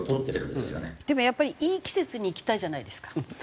でもやっぱりいい季節に行きたいじゃないですか。